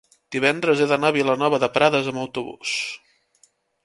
divendres he d'anar a Vilanova de Prades amb autobús.